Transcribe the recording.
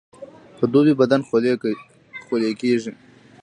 په دوبي بدن خولې کیږي